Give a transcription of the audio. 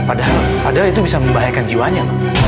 padahal itu bisa membahayakan jiwanya